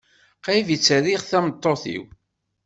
Qrib i tt-rriɣ d tameṭṭut-iw.